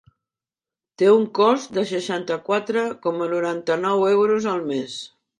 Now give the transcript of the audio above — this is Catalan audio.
Té un cost de seixanta-quatre coma noranta-nou euros al mes.